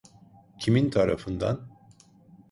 Kimin tarafından?